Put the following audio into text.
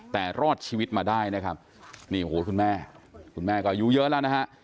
แต่รอดชีวิตมาได้นะครับนี่โอ้โหคุณแม่คุณแม่ก็อายุเยอะแล้วนะฮะ